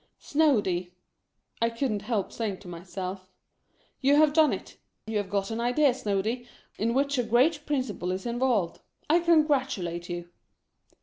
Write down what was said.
"Snoady,"! couldn't help saying to myself, "you have done it. You have got an idea, Snoady, in which a great principle is involved. I congratulate you!"